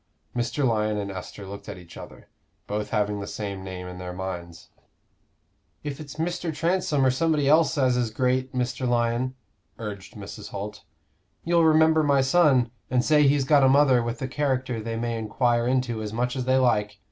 Mr. Lyon and Esther looked at each other, both having the same name in their minds. "If it's Mr. Transome or somebody else as is great, Mr. Lyon," urged Mrs. Holt, "you'll remember my son, and say he's got a mother with a character they may enquire into as much as they like.